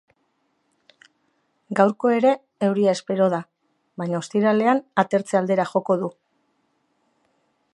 Gaurko ere euria espero da, baina ostiralean atertze aldera joko du.